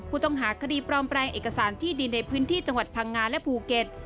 ผู้ต้องหาคดีปลอมแปลงเอกสารที่ดินในพื้นที่จังหวัดพังงาและภูเก็ต